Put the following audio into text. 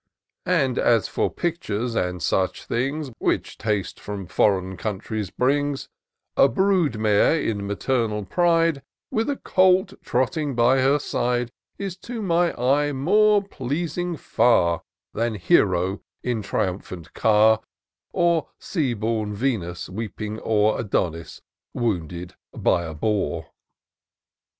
231 And^ as for pictures and such things^ Which taste from foreign countries brings ; A brood mare in maternal pride, With a colt trotting by her side, Is to my eye more pleasing far Than hero in triumphant car, Or sea bom Venus weeping o'er Adonis wounded by a boar."